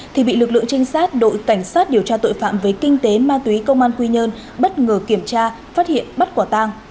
thì bị lực lượng trinh sát đội cảnh sát điều tra tội phạm về kinh tế ma túy công an quy nhơn bất ngờ kiểm tra phát hiện bắt quả tang